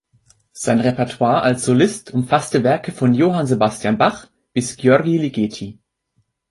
Sein Repertoire als Solist umfasst Werke von Johann Sebastian Bach bis György Ligeti.